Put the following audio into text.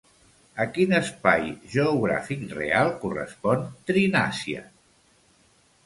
A quin espai geogràfic real correspon Trinàcia?